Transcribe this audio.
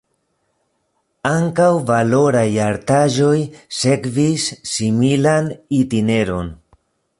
Ankaŭ valoraj artaĵoj sekvis similan itineron.